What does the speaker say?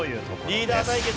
リーダー対決。